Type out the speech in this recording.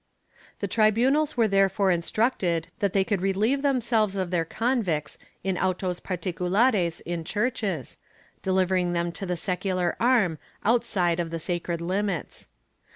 The tribunals were therefore instructed that they could relieve themselves of their convicts in autos particulares in churches, delivering them to the secular arm outside of the sacred limits.